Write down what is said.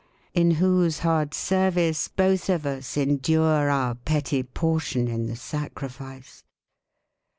In whose hard service both of us endure Our petty portion in the sacrifice.